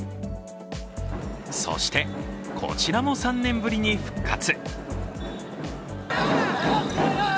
そして、こちらも３年ぶりに復活。